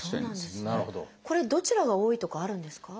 これどちらが多いとかあるんですか？